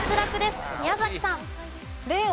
宮崎さん。